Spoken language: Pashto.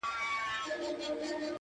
• سړي سمدستي کلا ته کړ دننه ,